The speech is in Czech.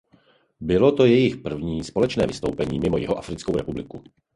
Bylo to jejich první společné vystoupení mimo Jihoafrickou republiku.